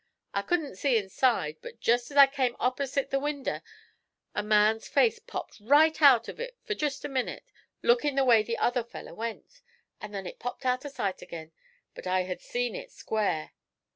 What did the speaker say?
I couldn't see inside, but jest as I came oppersite the winder a man's face popped right out of it for jest a minit, lookin' the way the other feller went, and then it popped out o' sight ag'in; but I had seen it square!'